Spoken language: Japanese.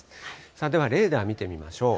ではレーダー見てみましょう。